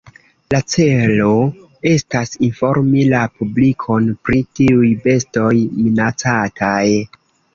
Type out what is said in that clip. La celo estas informi la publikon pri tiuj bestoj minacataj.